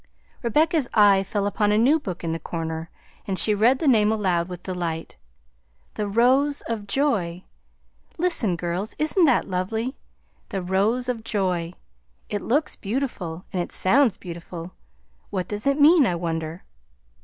Rebecca's eyes fell upon a new book in the corner, and she read the name aloud with delight: "The Rose of Joy. Listen, girls; isn't that lovely? The Rose of Joy. It looks beautiful, and it sounds beautiful. What does it mean, I wonder?"